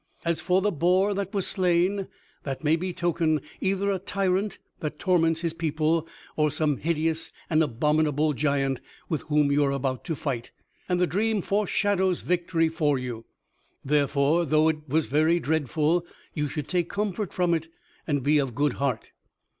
As for the boar that was slain, that may betoken either a tyrant that torments his people, or some hideous and abominable giant with whom you are about to fight. And the dream foreshadows victory for you. Therefore, though it was very dreadful, you should take comfort from it and be of a good heart."